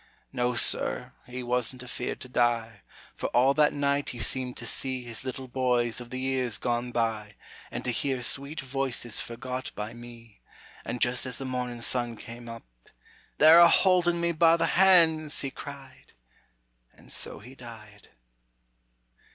No, sir! he wasn't afeard to die, For all that night he seemed to see His little boys of the years gone by, And to hear sweet voices forgot by me; An' just as the mornin' sun came up, "They're a holdin' me by the hands," he cried, And so he died.